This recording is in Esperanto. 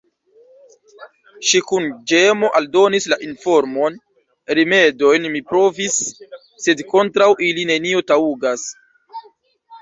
Ŝi kun ĝemo aldonis la informon: "Rimedojn mi provis, sed kontraŭ ili, nenio taŭgas."